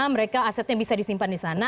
mereka asetnya bisa disimpan di sana